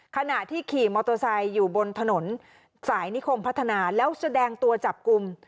ขณะที่ขี่มอเตอร์ไซค์อยู่บนถนนสายนิคมพัฒนาแล้วแสดงตัวจับกลุ่ม